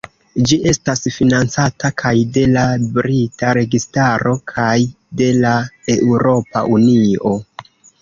Ĝi estas financata kaj de la brita registaro kaj de la Eŭropa Unio.